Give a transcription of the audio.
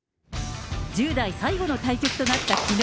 １０代最後の対局となったきのう。